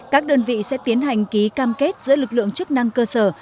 các đơn vị sẽ tiến hành ký cam kết giữa lực lượng chức năng cơ sở